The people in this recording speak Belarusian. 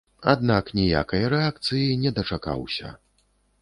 Аднак ніякай рэакцыі не дачакаўся.